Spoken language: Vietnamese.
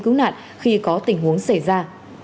cứu nạn khi có tình huống xảy ra